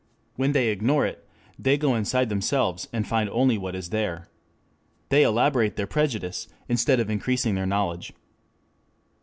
When they ignore it, they go inside themselves and find only what is there. They elaborate their prejudice, instead of increasing their knowledge.